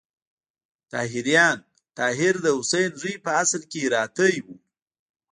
طاهریان: طاهر د حسین زوی په اصل کې هراتی و.